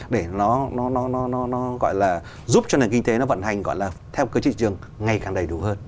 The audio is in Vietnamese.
để nó gọi là giúp cho nền kinh tế nó vận hành gọi là theo cái thị trường ngày càng đầy đủ hơn